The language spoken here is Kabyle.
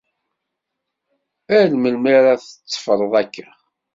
Ar melmi ara tetteffreḍ akka?